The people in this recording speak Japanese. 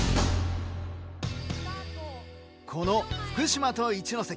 この福島と一関。